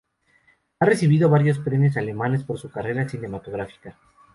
Ha recibido varios premios alemanes por su carrera cinematográfica.